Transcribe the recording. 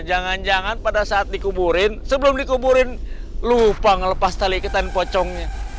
jangan jangan pada saat dikuburin sebelum dikuburin lupa ngelepas tali itan pocongnya